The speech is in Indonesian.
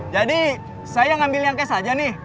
jadi saya ngambil yang cash aja nih